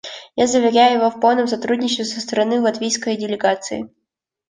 Я заверяю его в полном сотрудничестве со стороны латвийской делегации.